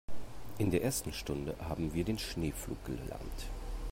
In der ersten Stunde haben wir den Schneepflug gelernt.